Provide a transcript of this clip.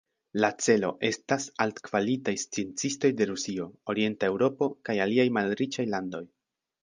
La celo estas altkvalitaj sciencistoj de Rusio, orienta Eŭropo kaj aliaj malriĉaj landoj.